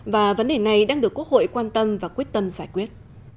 và vấn đề này đang được quốc hội quan tâm và quyết tâm giải quyết